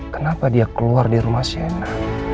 kenapa dia keluar di rumah shane